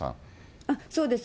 そうです。